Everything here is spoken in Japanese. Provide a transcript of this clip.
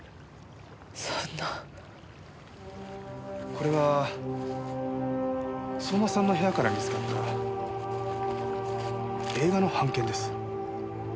これは相馬さんの部屋から見つかった映画の半券です。